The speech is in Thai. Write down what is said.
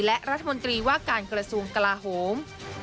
และรัฐมนตรีว่าการกระทรวงกลาโหม